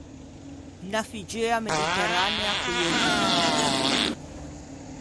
Unna figgeua mediterranea co-i euggi verdi.